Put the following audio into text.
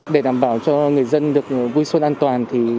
để đảm bảo cho người dân được vui xuân an toàn